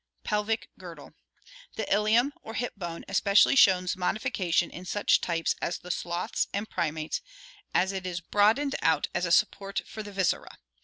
Pelvic Girdle. — The iltum or hip bone especially shows modi fication in such types as the sloths and primates, as it is broad 342 ORGANIC EVOLUTION • ened out as a support for the viscera.